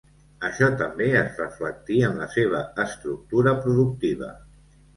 Això també es reflectí en la seva estructura productiva.